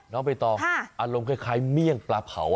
น้องใบตองอารมณ์คล้ายเมี่ยงปลาเผา